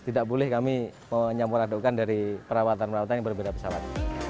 tidak boleh kami menyambur adukkan dari perawatan perawatan yang berbeda pesawat